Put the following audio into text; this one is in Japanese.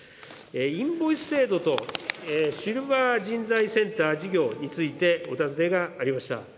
インボイス制度とシルバー人材センター事業についてお尋ねがありました。